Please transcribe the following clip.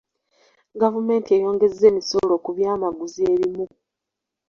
Gavumenti eyongezza emisolo ku byamaguzi ebimu.